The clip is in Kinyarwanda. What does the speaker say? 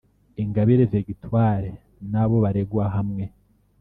Ingabire Victoire n’abo baregwa hamwe